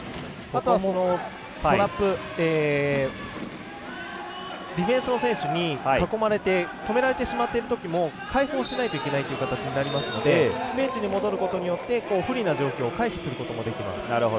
あとはディフェンスの選手に囲まれて止められてしまっているときも解放しないといけない形になりますのでベンチに戻ることによって不利な状況を回避することもできます。